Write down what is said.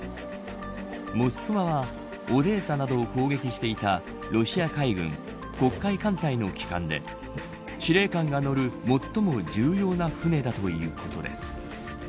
モスクワはオデーサなども攻撃していたロシア海軍、黒海艦隊の旗艦で司令官が乗る最も重要な船だということです。